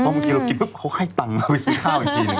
บางทีเรากินปุ๊บเขาให้ตังค์เราไปซื้อข้าวอีกทีหนึ่ง